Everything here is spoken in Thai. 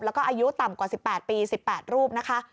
แล้วก็อายุต่ำกว่า๑๘ปี๑๘รูปนะคะ